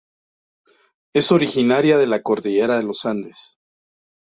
Es originaria de la Cordillera de los Andes.